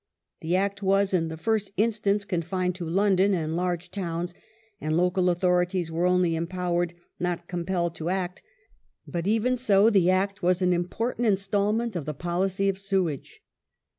The Act was, in the first instance, confined to London and large towns, and local authorities were only empowered not compelled to act, but even so, the Act was an important instalment of the policy of " sewage